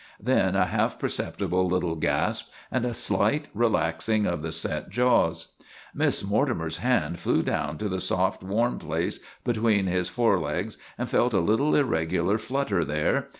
Then a half perceptible little gasp and a slight relaxing of the set jaws. Miss Mortimer's hand flew down to the soft, warm place between his forelegs and felt a little irregular flutter there.